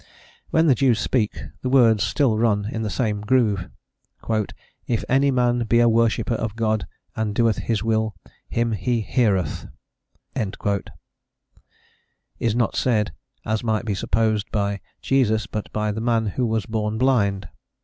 When the Jews speak, the words still run in the same groove: "If any man be a worshipper of God, and doeth His will, him He heareth," is not said, as might be supposed, by Jesus, but by the man who was born blind.